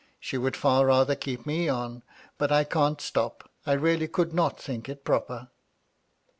She would far rather keep me on ; but I can' stop. I really could not think it proper."